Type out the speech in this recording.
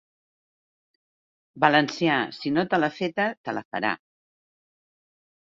Valencià, si no te l'ha feta, te la farà.